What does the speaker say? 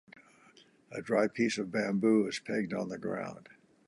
A dry piece of bamboo is pegged on the ground.